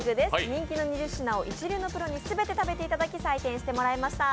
人気の２０品を一流のプロにすべて食べていただき採点してもらいました。